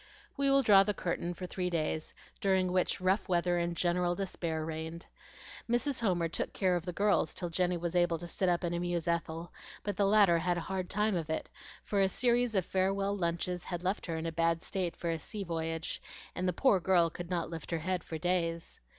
We will draw the curtain for three days, during which rough weather and general despair reigned. Mrs. Homer took care of the girls till Jenny was able to sit up and amuse Ethel; but the latter had a hard time of it, for a series of farewell lunches had left her in a bad state for a sea voyage, and the poor girl could not lift her head for days.